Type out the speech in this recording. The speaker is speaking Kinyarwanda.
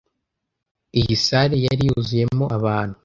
Iyi salle yari yuzuyemo abantu.